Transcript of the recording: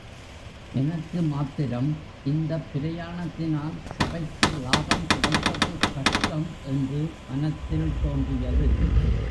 எனக்கு மாத்திரம் இந்தப் பிரயாணத்தினால் சபைக்கு லாபம் கிடைப்பது கஷ்டம் என்று மனத்தில் தோன்றியது.